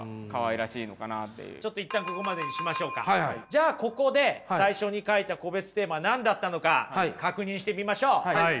じゃあここで最初に書いた個別テーマ何だったのか確認してみましょう。